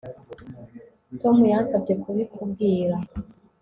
Tom yansabye kubikubwira